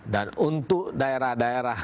dan untuk daerah daerah